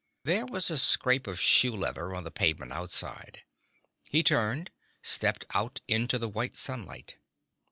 There was a scrape of shoe leather on the pavement outside. He turned, stepped out into the white sunlight.